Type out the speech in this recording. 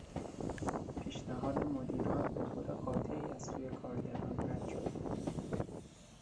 پیشنهاد مدیران به طور قاطعی از سوی کارگران رد شد.